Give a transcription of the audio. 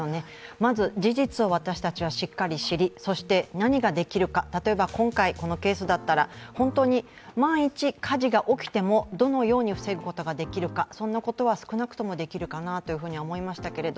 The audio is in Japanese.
まず事実を私たちはしっかり知りそして何ができるか、例えば今回このケースだったら万一火事が起きてもどのように防ぐことができるか、そんなことは少なくともできるかなと思いましたけど